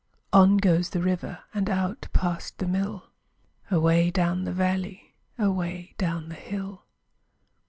On goes the river And out past the mill, Away down the valley, Away down the hill.